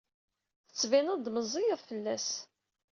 Tettbineḍ-d meẓẓiyeḍ fell-as.